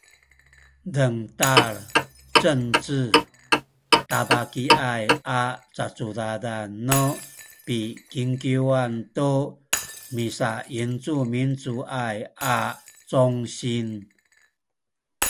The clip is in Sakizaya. dengtal Cengce tabakiaya a cacudadan nu pikingkiwan tu misayincumincuay a congsin